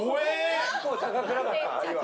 結構高くなかった？